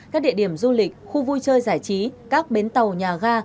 các địa điểm du lịch khu vui chơi giải trí các bến tàu nhà ga